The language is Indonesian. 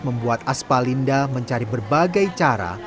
membuat aspa linda mencari berbagai cara